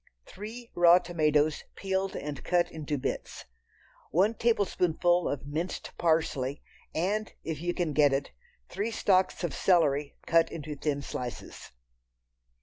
Three raw tomatoes, peeled and cut into bits. One tablespoonful of minced parsley, and, if you can get it, three stalks of celery cut into thin slices.